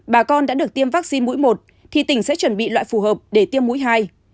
bà con đã được tiêm vaccine mũi một thì tỉnh sẽ chuẩn bị loại phù hợp để tiêm mũi hai